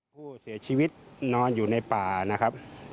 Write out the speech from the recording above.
ผู้เสียชีวิตนอนอยู่ในป่านะครับ